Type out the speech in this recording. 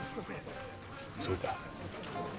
そうか。